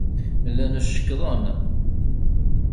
Llan cekkḍen.